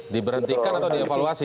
diberhentikan atau dievaluasi